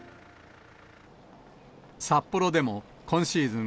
札幌でも今シーズン